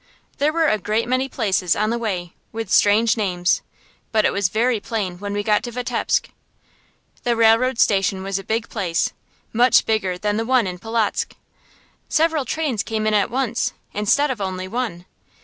There were a great many places on the way, with strange names, but it was very plain when we got to Vitebsk. The railroad station was a big place, much bigger than the one in Polotzk. Several trains came in at once, instead of only one.